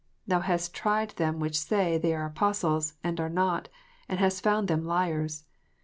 Thou hast tried them which say they are Apostles, and are not, and hast found them liars."